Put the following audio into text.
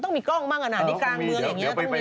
ต้องมีกล้องบ้างอ่ะในกลางเมืองอย่างนี้